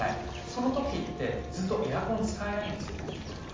その時って、ずっとエアコン使えないんですよね。